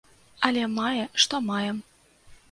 Але мае што маем.